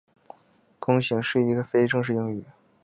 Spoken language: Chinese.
弓形是一个非正式用语。